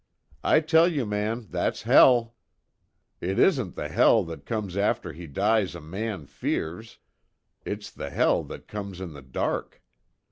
I tell you man that's hell! It isn't the hell that comes after he dies a man fears it's the hell that comes in the dark.